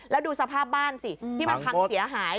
แล้วดูสภาพบ้านสิที่มันพังเสียหาย